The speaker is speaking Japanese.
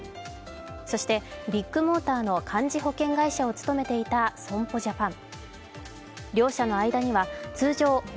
そしてビッグモーターの幹事保険会社を務めていた損保ジャパン。